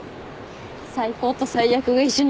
最高と最悪が一緒に来た。